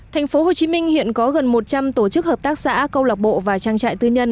thành phố hồ chí minh hiện có gần một trăm linh tổ chức hợp tác xã câu lạc bộ và trang trại tư nhân